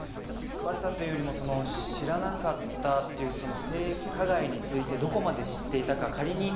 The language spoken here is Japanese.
救われたというよりも、知らなかったという性加害について、どこまで知っていたか。